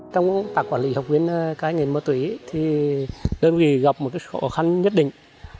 trong tạp quản lý học viên ca nghiện ma túy đơn vị gặp một khó khăn nhất định